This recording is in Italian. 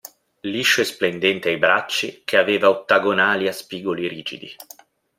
Liscio e splendente ai bracci, che aveva ottagonali a spigoli rigidi.